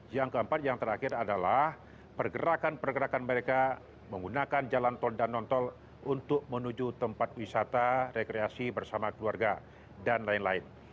yang keempat yang terakhir adalah pergerakan pergerakan mereka menggunakan jalan tol dan non tol untuk menuju tempat wisata rekreasi bersama keluarga dan lain lain